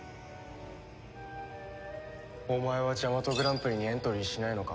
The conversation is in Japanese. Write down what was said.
お前はジャマトグランプリにエントリーしないのか？